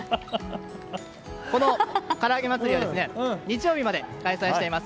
この、からあげ祭は日曜日まで開催しています。